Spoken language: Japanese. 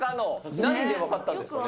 何で分かったんですかね。